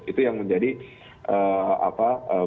itu yang menjadi bukti bahwa masih terdapat banyak pr di tubuh tni